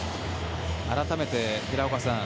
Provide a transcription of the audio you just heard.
改めて、平岡さん